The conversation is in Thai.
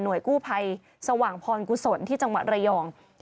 กู้ภัยสว่างพรกุศลที่จังหวัดระยอง